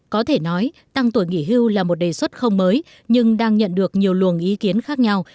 có thể nói tăng tuổi nghỉ hưu là một đề xuất không mới nhưng đang nhận được nhiều luồng ý kiến khác nhau